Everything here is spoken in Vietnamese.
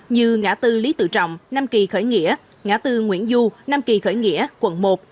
như ngã tư lý tự trọng nam kỳ khởi nghĩa ngã tư nguyễn du nam kỳ khởi nghĩa quận một